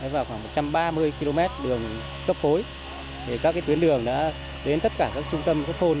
và khoảng một trăm ba mươi km đường cấp phối các tuyến đường đã đến tất cả các trung tâm các thôn